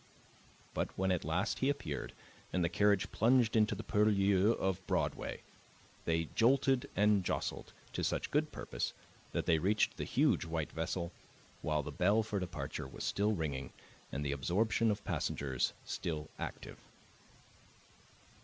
But when at last he appeared, and the carriage plunged into the purlieus of Broadway, they jolted and jostled to such good purpose that they reached the huge white vessel while the bell for departure was still ringing and the absorption of passengers still active.